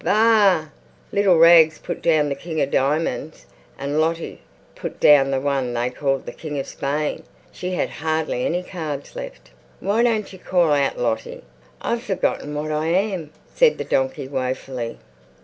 Baa! Little Rags put down the King of Diamonds and Lottie put down the one they called the King of Spain. She had hardly any cards left. "Why don't you call out, Lottie?" "I've forgotten what I am," said the donkey woefully.